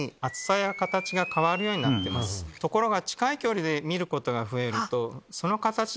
ところが。